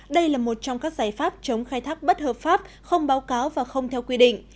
đây là một trong các giải pháp chống khai thác bất hợp pháp không báo cáo và không theo quy định